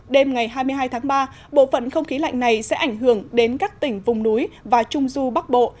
đêm ngày hai mươi hai tháng ba bộ phận không khí lạnh này sẽ ảnh hưởng đến các tỉnh vùng núi và trung du bắc bộ